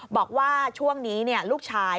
บอกว่าช่วงนี้ลูกชาย